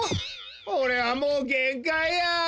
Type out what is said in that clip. おれはもうげんかいや！